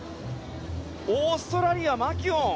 オーストラリア、マキュオン。